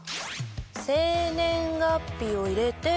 生年月日を入れて。